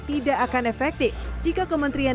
tidak akan efektif jika kementerian